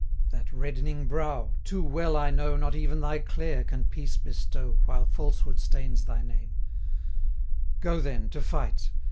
300 That reddening brow! too well I know, Not even thy Clare can peace bestow, While falsehood stains thy name: Go then to fight!